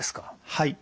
はい。